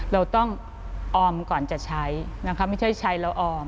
เราต้องออมก่อนจะใช้ไม่ใช่ใช้เราออม